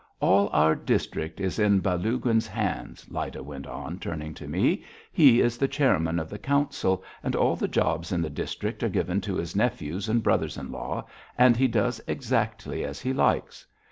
"All our district is in Balaguin's hands," Lyda went on, turning to me. "He is the chairman of the council and all the jobs in the district are given to his nephews and brothers in law, and he does exactly as he likes.